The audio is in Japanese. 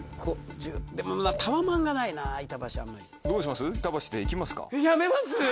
どうします？